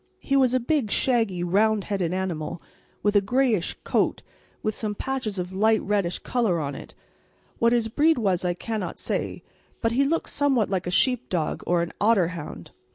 He was a big, shaggy, round headed animal, with a greyish coat with some patches of light reddish colour on it; what his breed was I cannot say, but he looked somewhat like a sheep dog or an otter hound.